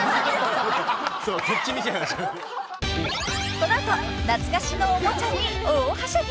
［この後懐かしのおもちゃに大はしゃぎ！］